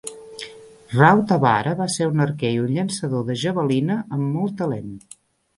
Rautavaara va ser un arquer i un llançador de javelina amb molt talent.